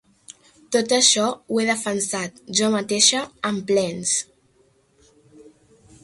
Tot això, ho he defensat jo mateixa en plens.